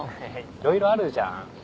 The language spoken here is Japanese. いろいろあるじゃん。